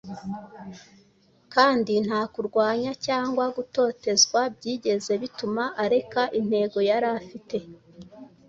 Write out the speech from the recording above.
kandi nta kurwanywa cyangwa gutotezwa byigeze bituma areka intego yari afite.